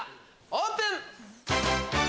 オープン！